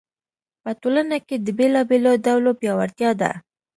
په ټولنه کې د بېلابېلو ډلو پیاوړتیا ده.